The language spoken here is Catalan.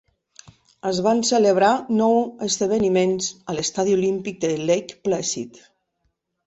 Es van celebrar nou esdeveniments a l'estadi Olímpic de Lake Placid.